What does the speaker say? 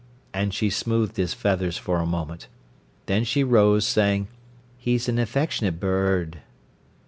And she smoothed his feathers for a moment. Then she rose, saying: "He's an affectionate bird."